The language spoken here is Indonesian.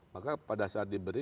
maka pada saat diberi